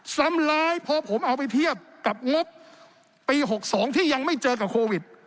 ซ้ำร้ายพอผมเอาไปเทียบกับงบปี๖๒ที่ยังไม่เจอกับโควิด